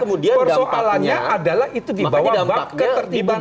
persoalannya adalah itu dibawa bak ke ketertiban umum